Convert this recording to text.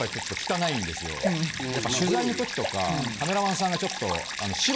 やっぱ取材の時とかカメラマンさんがちょっと。